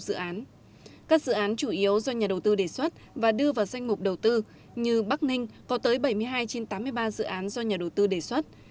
các dự án chủ yếu do nhà đầu tư đề xuất và đưa vào danh mục đầu tư như bắc ninh có tới bảy mươi hai trên tám mươi ba dự án do nhà đầu tư đề xuất